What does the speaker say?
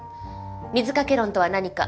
水掛け論とは何か。